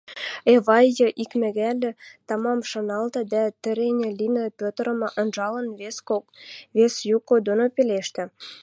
Эвай икмӓгӓл тамам шаналта дӓ, тӹрӹнь лин, Петрӹм анжалын, вес юк доно пелештӓ: